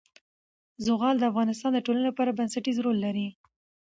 زغال د افغانستان د ټولنې لپاره بنسټيز رول لري.